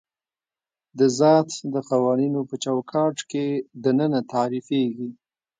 د ذات د قوانینو په چوکاټ کې دننه تعریفېږي.